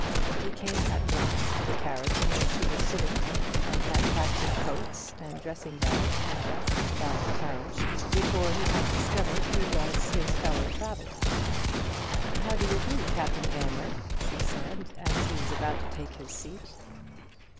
He came at once to the carriage in which she was sitting, and had packed his coats, and dressing bag, and desk about the carriage before he had discovered who was his fellow traveller. "How do you do, Captain Aylmer?" she said, as he was about to take his seat.